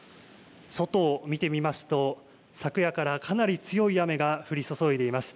外を見てみますと昨夜からかなり強い雨が降り注いでいます。